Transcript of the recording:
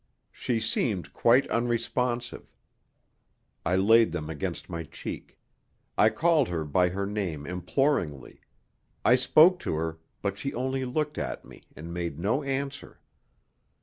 She seemed quite unresponsive. I laid them against my cheek. I called her by her name imploringly; I spoke to her, but she only looked at me and made no answer.